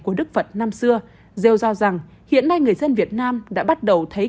của đức phật năm xưa rêu ra rằng hiện nay người dân việt nam đã bắt đầu thấy